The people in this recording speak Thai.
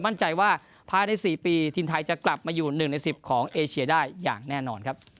มั่นใจว่าภายใน๔ปีทีมไทยจะกลับมาอยู่๑ใน๑๐ของเอเชียได้อย่างแน่นอนครับ